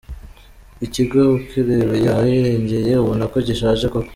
Ikigo ukirebeye ahirengeye ubona ko gishaje koko.